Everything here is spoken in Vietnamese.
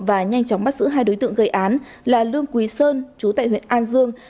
và nhanh chóng bắt giữ hai đối tượng gây án là lương quý sơn chú tại huyện an dương